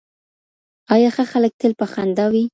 آیا ښه خلک تل په خندا وي؟